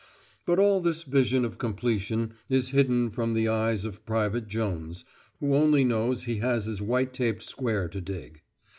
But all this vision of completion is hid from the eyes of Private Jones, who only knows he has his white taped square to dig.